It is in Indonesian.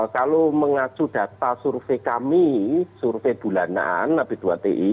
kalau mengacu data survei kami survei bulanan b dua ti